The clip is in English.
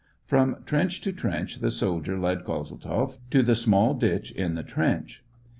From trench to trench the soldier led Kozel tzoff, to the small ditch in the trench.